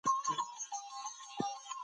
افغانستان د خپل آمو سیند لپاره ډېر مشهور دی.